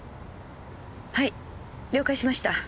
はい了解しました。